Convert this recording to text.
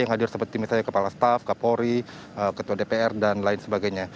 yang hadir seperti misalnya kepala staff kapolri ketua dpr dan lain sebagainya